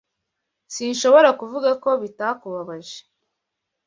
Sinshobora kuvuga ko bitakubabaje.